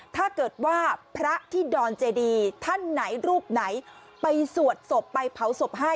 ถ้าเกิดว่าพระที่ดอนเจดีท่านไหนรูปไหนไปสวดศพไปเผาศพให้